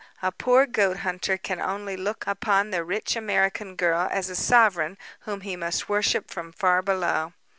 A poor goat hunter can only look upon the rich American girl as a sovereign whom he must worship from far below."